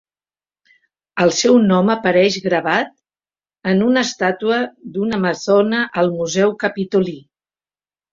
El seu nom apareix gravat en una estàtua d'una amazona al Museu Capitolí.